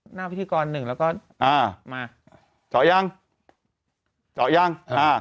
หน้าพิธีกร๑แล้วก็มาเจาะยังเจาะยัง